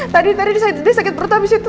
tadi tadi dia sakit perut abis itu